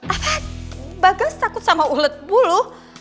ah bagas takut sama ulet bulu